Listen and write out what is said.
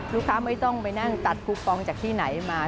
ไม่ต้องไปนั่งตัดคูปองจากที่ไหนมา